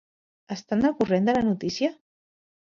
Estan al corrent de la notícia?